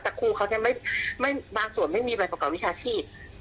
แต่ครูเขาเนี่ยบางส่วนไม่มีใบประกอบวิชาชีพ